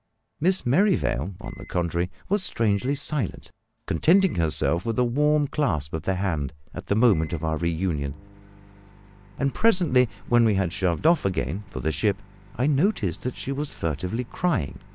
Miss Merrivale, on the contrary, was strangely silent, contenting herself with a warm clasp of the hand at the moment of our reunion; and presently, when we had shoved off again for the ship, I noticed that she was furtively crying.